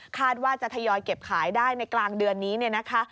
คาดว่าจะทยอยเก็บขายได้ในกลางเดือนนี้เนี่ยนะคะ